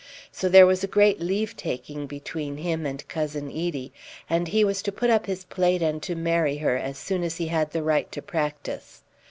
So there was a great leave taking between him and Cousin Edie; and he was to put up his plate and to marry her as soon as he had the right to practise.